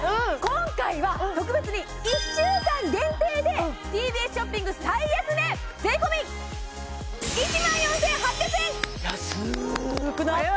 今回は特別に１週間限定でＴＢＳショッピング最安値税込安くなったね！